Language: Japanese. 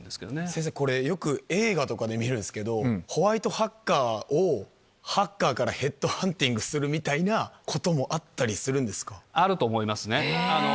先生、僕、よく映画とかで見るんですけど、ホワイトハッカーをハッカーからヘッドハンティングするみたいなあると思いますね。